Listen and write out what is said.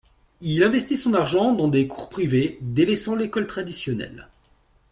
Il investit son argent dans des cours privés, délaissant l’école traditionnelle.